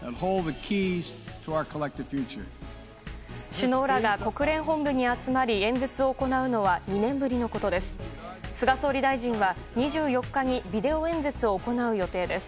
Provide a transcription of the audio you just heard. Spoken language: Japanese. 首脳らが国連本部に集まり演説を行うのは２年ぶりのことです。